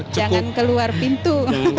jangan keluar pintu